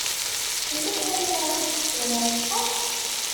Yella kra n yiwen i ikecmen ar texxamt.